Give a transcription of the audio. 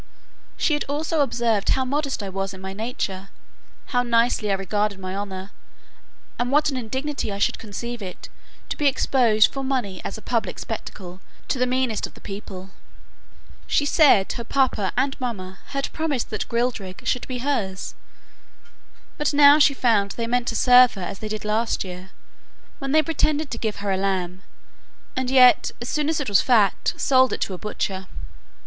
She had also observed how modest I was in my nature, how nicely I regarded my honour, and what an indignity I should conceive it, to be exposed for money as a public spectacle, to the meanest of the people. She said, her papa and mamma had promised that Grildrig should be hers; but now she found they meant to serve her as they did last year, when they pretended to give her a lamb, and yet, as soon as it was fat, sold it to a butcher.